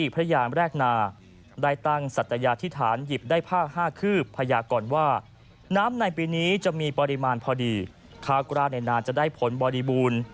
พอดีข้าวกราศในนานจะได้ผลบริบูรณ์